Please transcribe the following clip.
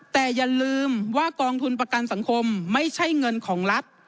แต่อย่าลืมว่ากองทุนประกันสังคมไม่ใช่เงินของรัฐ